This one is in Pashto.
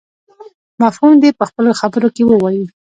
مفهوم دې په خپلو خبرو کې ووایي.